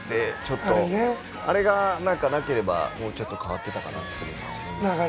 あれがなければ、もうちょっと流れが変わっていたかなと。